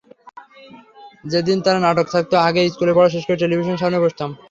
যেদিন তাঁর নাটক থাকত, আগেই স্কুলের পড়া শেষ করে টেলিভিশনের সামনে বসতাম।